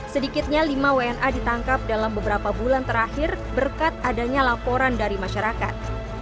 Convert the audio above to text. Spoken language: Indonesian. sedikitnya lima wna ditangkap dalam beberapa bulan terakhir berkat adanya laporan dari masyarakat